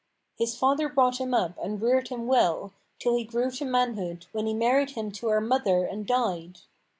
His father brought him up and reared him well, till he grew to manhood when he married him to our mother and died.